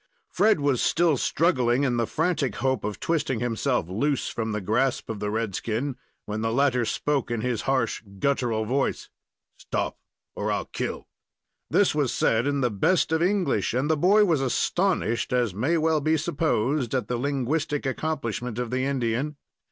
Fred was still struggling, in the frantic hope of twisting himself loose from the grasp of the redskin, when the latter spoke in his harsh, guttural voice: "Stop, or I'll kill." This was said in the best of English, and the boy was astonished, as may well be supposed, at the linguistic accomplishment of the Indian.